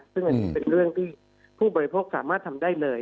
ซึ่งอันนี้เป็นเรื่องที่ผู้บริโภคสามารถทำได้เลย